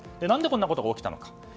何でこんなことが起きたのか。